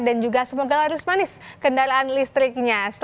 dan juga semoga harus manis kendaraan listriknya